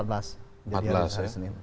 jadi hari senin